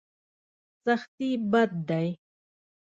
سختي بد دی.